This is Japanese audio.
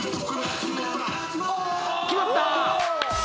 決まった！